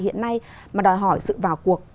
hiện nay mà đòi hỏi sự vào cuộc